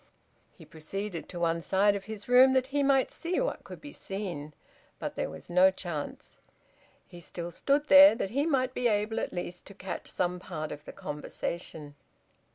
He proceeded to one side of his room that he might see what could be seen, but there was no chance. He still stood there that he might be able, at least, to catch some part of the conversation.